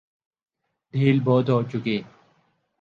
ڈھیل بہت ہو چکی۔